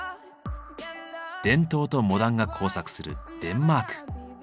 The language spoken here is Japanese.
伝統とモダンが交錯するデンマーク。